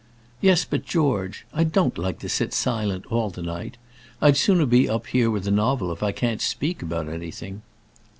"Yes, but, George; I don't like to sit silent all the night. I'd sooner be up here with a novel if I can't speak about anything."